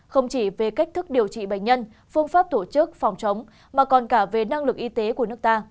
không chỉ về cách thức điều trị bệnh nhân phương pháp tổ chức phòng chống mà còn cả về năng lực y tế của nước ta